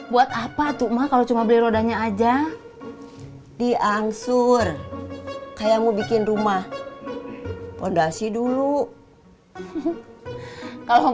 buat apa tuh mah kalau cuma beli rodanya aja diangsur kayak mau bikin rumah fondasi dulu kalau